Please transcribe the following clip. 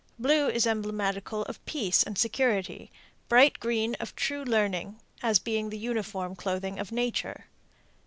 Blue is emblematical of peace and security; bright green of true learning, as being the uniform clothing of nature.